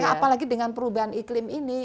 apalagi dengan perubahan iklim ini